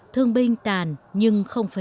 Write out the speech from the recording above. thương binh tàn nhưng không phế